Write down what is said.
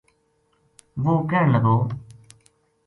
‘‘وہ کہن لگو